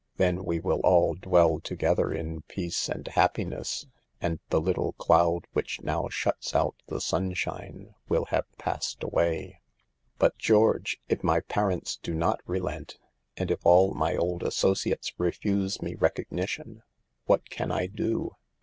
Then we will all dwell to gether in peace and happiness, and the little cloud which now shuts out the sunshine will have passed away." 78 SAVE THE GIRLS. " But, George, if my parents do not relent, and if all my old associates refuse me recogni tion, what can I do?"